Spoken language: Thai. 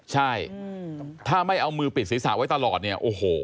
ใช่ถ้าไม่เอามือปิดศีรษะไว้ตลอดเนี่ยโอ้โห